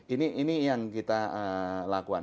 ini yang kita lakukan